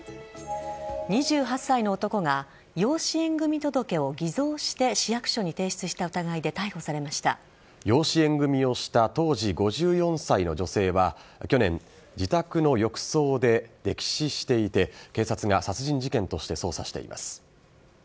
２８歳の男が養子縁組届を偽造して市役所に提出した疑いで養子縁組をした当時５４歳の女性は去年、自宅の浴槽で溺死していて警察が殺人事件として捜査しています。